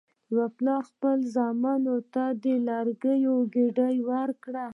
یو پلار خپلو زامنو ته د لرګیو ګېډۍ ورکړه.